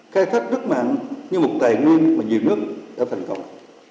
khai thác rất mạng như một tài nguyên mà nhiều nước đã thành công